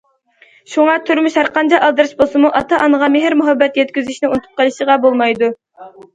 شۇڭا تۇرمۇش ھەر قانچە ئالدىراش بولسىمۇ، ئاتا- ئانىغا مېھىر- مۇھەببەت يەتكۈزۈشنى ئۇنتۇپ قېلىشقا بولمايدۇ.